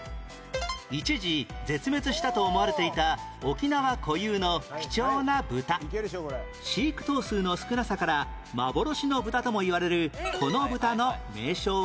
一時絶滅したと思われていた飼育頭数の少なさから「幻の豚」とも言われるこの豚の名称は？